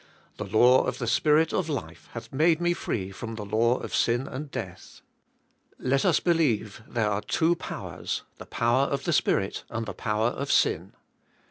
"The law of the Spirit of life hath made me free from the law of sin and death." Let us believe there are two pow ers, the power of the Spirit and the power of sin.